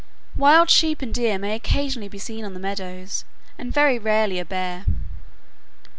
Wild sheep and deer may occasionally be seen on the meadows, and very rarely a bear.